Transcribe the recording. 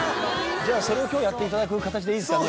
じゃあそれを今日やっていただく形でいいですかね。